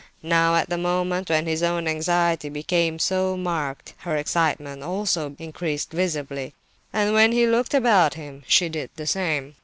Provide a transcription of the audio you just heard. Now, at the moment when his own anxiety became so marked, her excitement also increased visibly, and when he looked about him, she did the same.